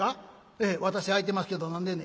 「ええ私空いてますけど何でんねん」。